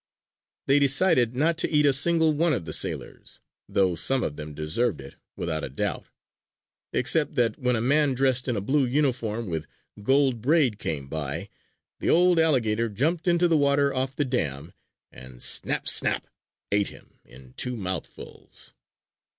They decided not to eat a single one of the sailors, though some of them deserved it without a doubt. Except that when a man dressed in a blue uniform with gold braid came by, the old alligator jumped into the water off the dam, and snap! snap! ate him in two mouthfuls.